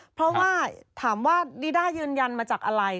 เพราะว่าถามว่าดีด้ายืนยันมาจากอะไร